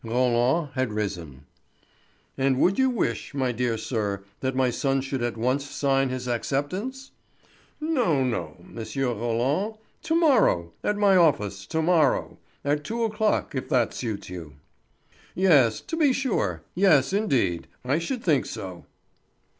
Roland had risen. "And would you wish, my dear sir, that my son should at once sign his acceptance?" "No—no, M. Roland. To morrow, at my office to morrow, at two o'clock, if that suits you." "Yes, to be sure—yes, indeed. I should think so."